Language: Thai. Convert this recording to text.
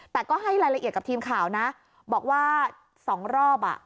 แต่ก็ให้รายละเอียดกับทีมข่าวนะบอกว่าสองรอบอ่ะ